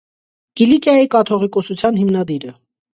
Կիլիկիայի կաթողիկոսության հիմնադիրը։